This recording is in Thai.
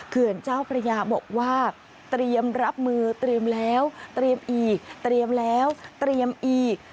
เขื่อนเจ้าพระยาบอกว่าเตรียมรับมือเตรียมแล้วเตรียมอีกเตรียมแล้วเตรียมอีก